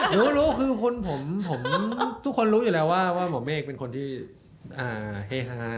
รู้รู้คือผมทุกคนรู้อยู่แล้วว่าหมอเมฆเป็นคนที่เฮฮา